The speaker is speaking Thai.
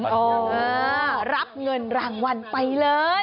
เอาละรับเงินรางวันไปเลย